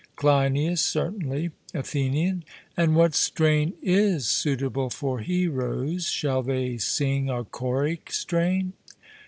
CLEINIAS: Certainly. ATHENIAN: And what strain is suitable for heroes? Shall they sing a choric strain?